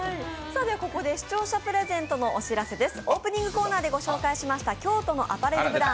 ここでプレゼントのお知らせです。